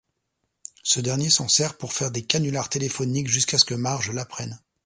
Ce dernier s'en sert pour faire des canulars téléphoniques jusqu'à ce que Marge l'apprenne.